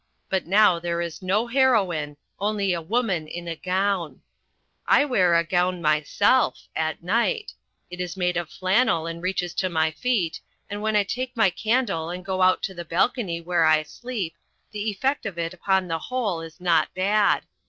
But now there is no heroine, only a woman in a gown. I wear a gown myself at night. It is made of flannel and reaches to my feet, and when I take my candle and go out to the balcony where I sleep, the effect of it on the whole is not bad.